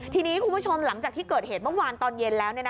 ทีนี้คุณผู้ชมหลังจากที่เกิดเหตุเมื่อวานตอนเย็นแล้ว